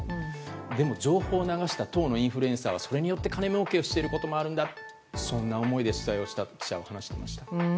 でも情報を流したインフルエンサーはそれによって金もうけをしていることもあるんだと取材をした記者は話していました。